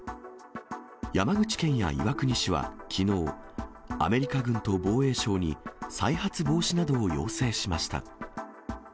山口県や岩国市はきのう、アメリカ軍と防衛省に再発防止などを要請しました。